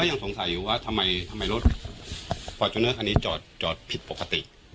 ยังสงสัยอยู่ว่าทำไมรถฟอร์จูเนอร์คันนี้จอดผิดปกติ